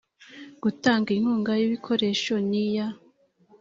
gutanga inkunga y ibikoresho n iya